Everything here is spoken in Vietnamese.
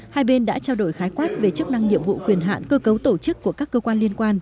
hai bên đã trao đổi khái quát về chức năng nhiệm vụ quyền hạn cơ cấu tổ chức của các cơ quan liên quan